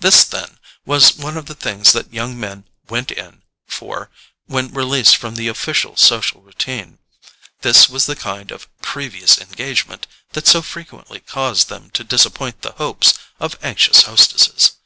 This, then, was one of the things that young men "went in" for when released from the official social routine; this was the kind of "previous engagement" that so frequently caused them to disappoint the hopes of anxious hostesses.